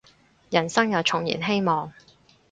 人生又重燃希望